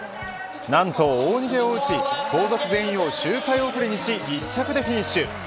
何と大逃げを打ち、後続全員を周回遅れにし１着でフィニッシュ。